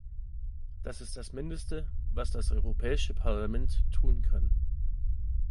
Das ist das Mindeste, was das Europäische Parlament tun kann.